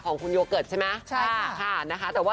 ของคุณโยเกิร์ตใช่ไหมใช่ค่ะนะคะ